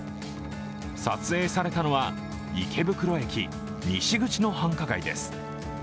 撮影されたのは池袋駅西口の繁華街です。